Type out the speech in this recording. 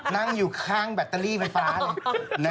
นั่งอยู่ข้างแบตเตอรี่ไฟฟ้าเลย